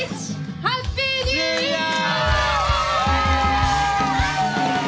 ハッピーニューイヤー！